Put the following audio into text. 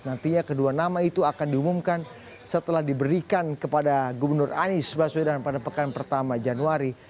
nantinya kedua nama itu akan diumumkan setelah diberikan kepada gubernur anies baswedan pada pekan pertama januari